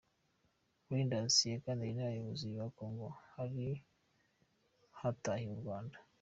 Reynders yaganiriye n’abayobozi ba Congo, hari hatahiwe u Rwanda.